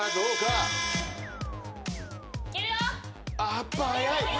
やっぱ早い！